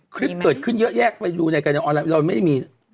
คลิปเปิดขึ้นแยะไปเมื่อกันยานออนไลน์แบบเราไม่มี